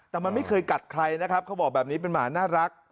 แต่มันไม่เคยกัดใครนะครับเขาบอกแบบนี้เป็นหมาน่ารัก